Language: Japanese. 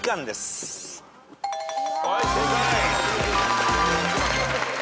はい正解。